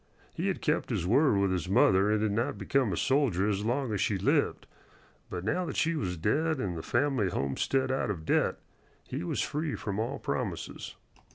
He had kept his word with his mother and had not become a soldier as long as she lived; but now that she was dead and the family homestead out of debt, he was free from all promises.